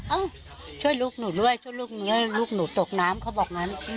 เอ้าช่วยลูกหนูด้วยช่วยลูกเมียลูกหนูตกน้ำเขาบอกงั้น